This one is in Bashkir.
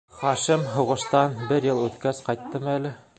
Хашим... һуғыштан... бер йыл үткәс ҡайттымы әле...